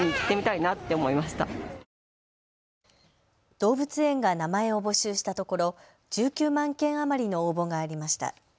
動物園が名前を募集したところ１９万件余りの応募がありました。